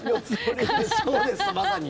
そうです、まさに。